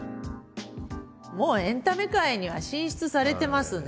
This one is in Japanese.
もうエンタメ界には進出されてますね。